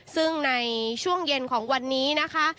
ซึ่งในช่วงเย็นของวันนี้นะคะ